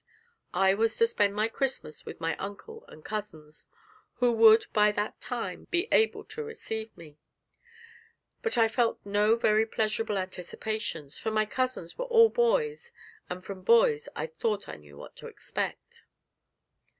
I was to spend my Christmas with my uncle and cousins, who would by that time be able to receive me; but I felt no very pleasurable anticipations, for my cousins were all boys, and from boys I thought I knew what to expect.